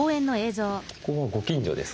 ここはご近所ですか？